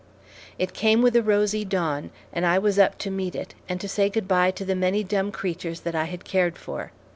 It came with a rosy dawn, and I was up to meet it, and to say good bye to the many dumb creatures that I had cared for.